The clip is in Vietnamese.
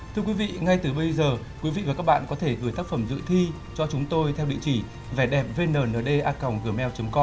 thưa quý vị ngay từ bây giờ quý vị và các bạn có thể gửi tác phẩm dự thi cho chúng tôi theo địa chỉ vè đẹpvnnd com